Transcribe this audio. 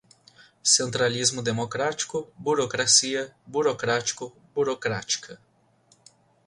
Centralismo democrático, burocracia, burocrático, burocrática